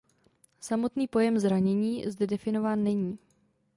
Samotný pojem zranění zde definován není.